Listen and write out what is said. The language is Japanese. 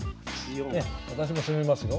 私も攻めますよ。